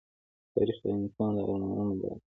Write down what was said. تاریخ د انسان د ارمانونو باغ دی.